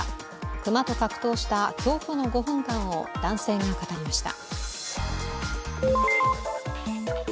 熊と格闘した恐怖の５分間を男性が語りました。